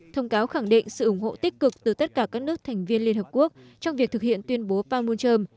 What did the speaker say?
thông cáo khẳng định sự ủng hộ tích cực từ tất cả các nước thành viên liên hợp quốc trong việc thực hiện tuyên bố panmunjom